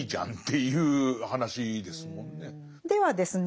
ではですね